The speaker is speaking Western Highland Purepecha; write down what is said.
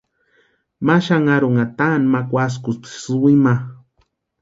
Ma xanharunha taani ma kwaskuspti sïwinu ma.